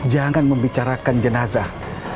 jangan membicarakan jenazah